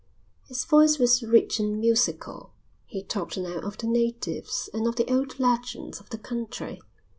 His voice was rich and musical. He talked now of the natives and of the old legends of the country.